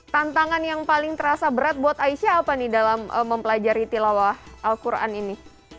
tantangan yang paling terasa berat buat aisyah apa nih dalam mempelajari tilawah al quran ini